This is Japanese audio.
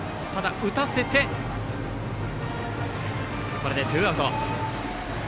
これでツーアウト。